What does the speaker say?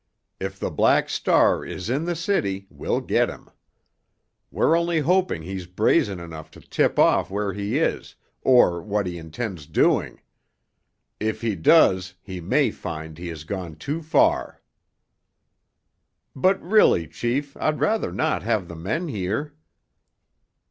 If the Black Star is in the city we'll get him. We're only hoping he's brazen enough to tip off where he is or what he intends doing. If he does, he may find he has gone too far." "But really, chief, I'd rather not have the men here."